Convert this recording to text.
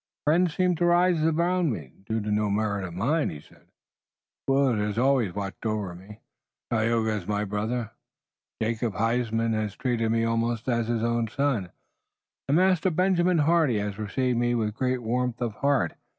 "Friends seem to rise around me, due to no merit of mine," he said. "Willet has always watched over me. Tayoga is my brother. Jacobus Huysman has treated me almost as his own son, and Master Benjamin Hardy has received me with great warmth of heart.